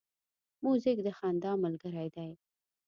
موزیک د خندا ملګری دی.